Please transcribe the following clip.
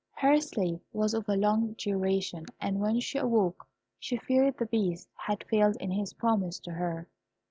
Her sleep was of long duration, and when she awoke she feared the Beast had failed in his promise to her.